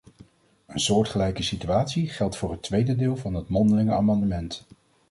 Een soortgelijke situatie geldt voor het tweede deel van het mondelinge amendement.